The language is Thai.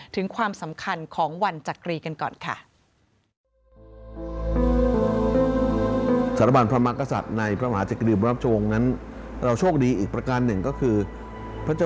ถึงความสำคัญของวันจักรีกันก่อนค่ะ